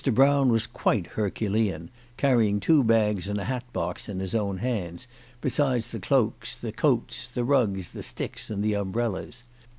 Brown was quite Herculean, carrying two bags and a hat box in his own hands, besides the cloaks, the coats, the rugs, the sticks, and the umbrellas.